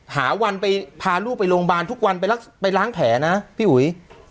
หาวันไปพาลูกไปโรงพยาบาลทุกวันไปล้างแผลนะพี่อุ๋ย